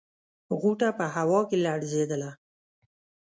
غوټه په هوا کې لړزېدله.